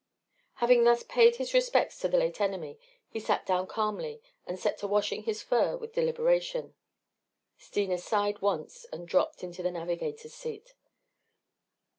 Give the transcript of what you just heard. Having thus paid his respects to the late enemy he sat down calmly and set to washing his fur with deliberation. Steena sighed once and dropped into the navigator's seat.